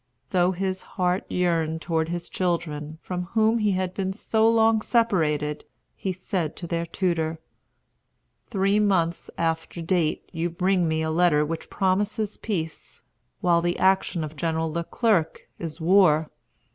Though his heart yearned toward his children, from whom he had been so long separated, he said to their tutor: "Three months after date you bring me a letter which promises peace, while the action of General Le Clerc is war.